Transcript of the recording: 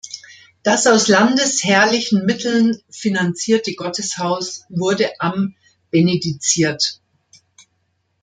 Das aus landesherrlichen Mitteln finanzierte Gotteshaus wurde am benediziert.